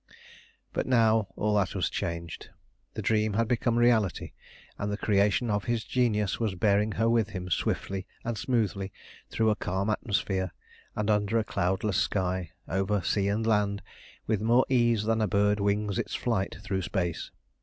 But now all that was changed. The dream had become the reality, and the creation of his genius was bearing her with him swiftly and smoothly through a calm atmosphere, and under a cloudless sky, over sea and land, with more ease than a bird wings its flight through space.